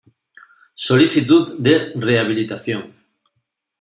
Solicitud de rehabilitación.